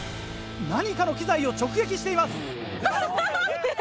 何かの機材を直撃しています。